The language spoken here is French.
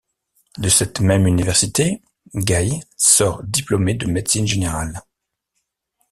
De cette même université, Gaye sort diplômé de médecine générale.